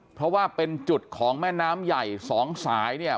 เพราะว่าเป็นจุดของแม่น้ำใหญ่สองสายเนี่ย